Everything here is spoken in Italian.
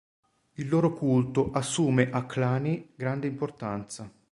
Il loro culto assume a Cluny grande importanza.